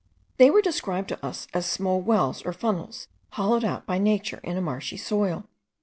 They were described to us as small wells or funnels, hollowed out by nature in a marshy soil.